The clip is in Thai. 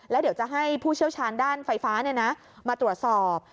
แล้วเดี๋ยวจะให้ผู้เชี่ยวชาญด้านไฟฟ้ามาตรวจสอบ